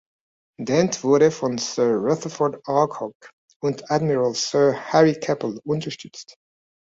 Dent wurde von Sir Rutherford Alcock und Admiral Sir Harry Keppel unterstützt.